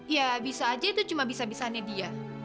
ya bisa aja itu cuma bisa bisanya dia